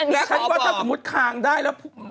แล้วฉันว่าถ้าสมมุติคางได้แล้ว